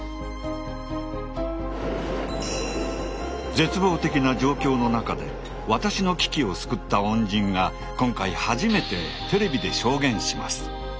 絶望的な状況の中で私の危機を救った恩人が今回初めてテレビで証言します。